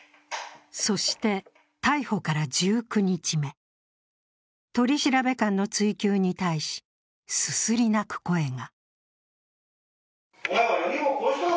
そして逮捕から１９日目、取調官の追及に対しすすり泣く声が。